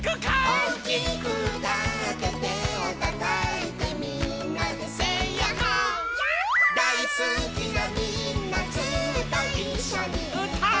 「おおきくうたっててをたたいてみんなでセイやっほー☆」やっほー☆「だいすきなみんなずっといっしょにうたおう」